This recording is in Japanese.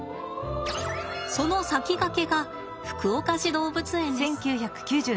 その先駆けが福岡市動物園です。